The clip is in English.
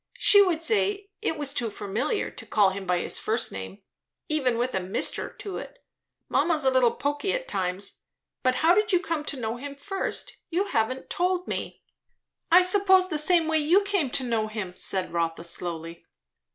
She would say it was too familiar, to call him by his first name, even with a 'Mr.' to it. Mamma's a little poky at times. But how did you come to know him first? you haven't told me." "I suppose, the same way you came to know him," said Rotha slowly.